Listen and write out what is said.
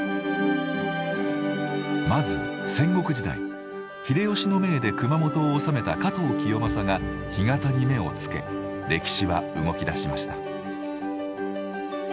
まず戦国時代秀吉の命で熊本を治めた加藤清正が干潟に目を付け歴史は動きだしました。